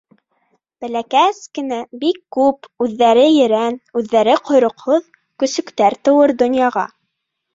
Бәләкәс кенә, бик күп, үҙҙәре ерән, үҙҙәре ҡойроҡһоҙ көсөктәр тыуыр донъяға.